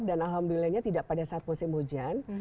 dan alhamdulillahnya tidak pada saat musim hujan